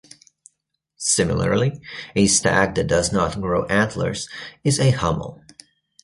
Similarly, a stag that does not grow antlers is a hummel.